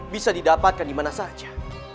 bisa didapatkan dimana saja